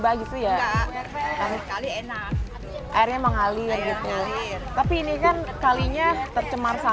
bersih kepakaiannya bersih